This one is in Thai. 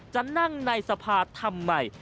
จะนั่งในสภาทำไม